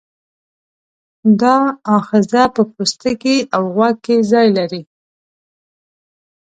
دا آخذه په پوستکي او غوږ کې ځای لري.